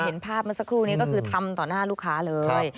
เห็นภาพเมื่อสักครู่นี้ก็คือทำต่อหน้าลูกค้าเลย